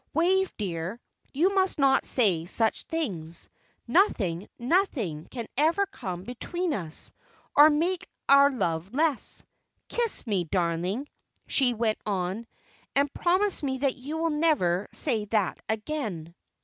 "Wave, dear, you must not say such things. Nothing, nothing, can ever come between us, or make our love less. Kiss me, darling," she went on, "and promise me that you will never say that again."